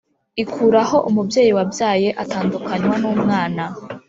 ikuraho umubyeyi wabyaye atandukanywa n` umwana